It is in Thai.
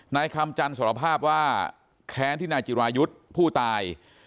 นายคำจันทร์สารภาพว่าแค้นที่นายจิรายุทธ์ผู้ตาย